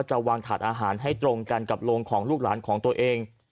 จะวางถาดอาหารให้ตรงกันกับโรงของลูกหลานของตัวเอง